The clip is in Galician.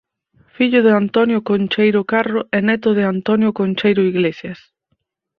Fillo de Antonio Concheiro Carro e neto de Antonio Concheiro Iglesias.